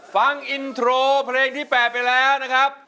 ฟังอินโทรเพลงที่๘ไปแล้วนะครับ